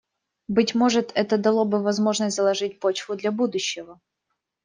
Быть может, это дало бы возможность заложить почву для будущего.